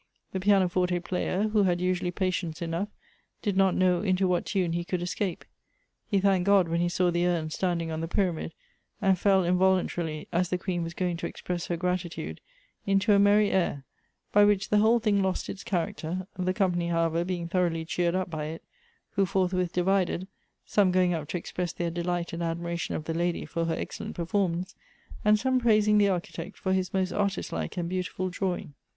The piano forte player, who had usually patience enough, did not know into what tunt he could escape. He thanked God when ho saw the urn standing on the pyramid, and fell involun tarily as the queen was going to express her gratitude, into a merry air; by which the whole thing lost its character, the company however being throughly cheered up by it, who forthwith divided, some going up to express their delight and admiration of the lady for her excellent performance, and some praising the Architect for his most artistlike and beautiful di awing.